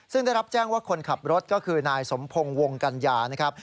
ซึ่งได้รับแจ้งว่าคนขับรถก็คือนายสมพงศ์วงกัญญานะครับ